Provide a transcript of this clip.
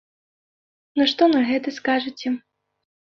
Ну, што на гэта скажаце?